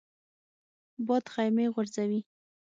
باد خیمې غورځوي